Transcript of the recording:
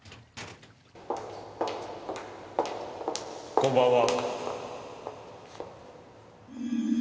こんばんは。